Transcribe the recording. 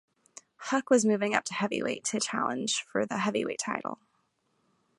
Huck was moving up to heavyweight to challenge for the heavyweight title.